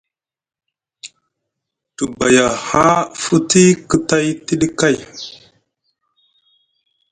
Te baya haa futi kay tiɗi kay.